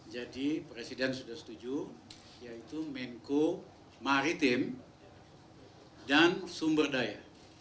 jadi presiden sudah setuju yaitu menko maritim dan sumberdaya